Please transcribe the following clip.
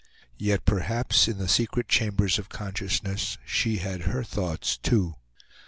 Yet, perhaps, in the secret chambers of consciousness, she had her thoughts, too.